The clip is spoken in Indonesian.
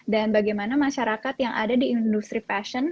dan bagaimana masyarakat yang ada di industri fashion